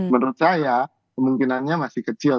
menurut saya kemungkinannya masih kecil